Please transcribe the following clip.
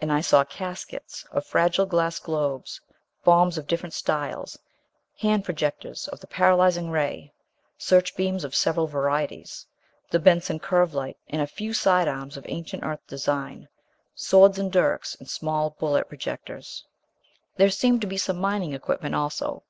And I saw caskets of fragile glass globes, bombs of different styles, hand projectors of the paralyzing ray; search beams of several varieties; the Benson curve light, and a few side arms of ancient Earth design swords and dirks, and small bullet projectors. There seemed to be some mining equipment also.